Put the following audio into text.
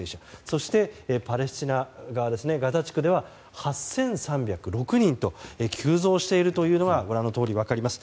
そしてパレスチナ側ガザ地区では８３０６人と急増しているというのがご覧のとおり分かります。